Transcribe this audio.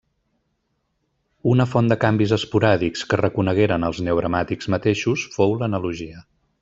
Una font de canvis esporàdics que reconegueren els neogramàtics mateixos fou l'analogia.